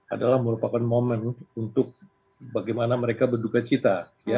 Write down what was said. adalah merupakan momen untuk bagaimana mereka berduka cita